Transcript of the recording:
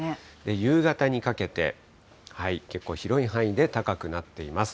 夕方にかけて、結構広い範囲で高くなっています。